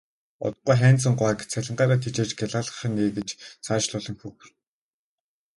Удахгүй Хайнзан гуайг цалингаараа тэжээж гялайлгах нь ээ гэж цаашлуулан хөхөрнө.